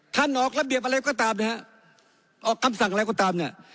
ออกระเบียบอะไรก็ตามนะฮะออกคำสั่งอะไรก็ตามเนี่ย